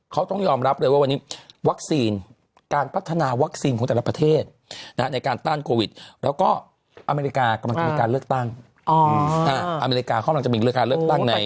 เขาต้องยอมรับเลยว่าวันนี้วัคซีนการพัฒนาวัคซีนของแต่ละประเทศในการตั้งโควิดแล้วก็อเมริกากำลังจะมีการเลือกตั้ง